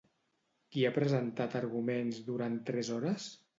Qui ha presentat arguments durant tres hores?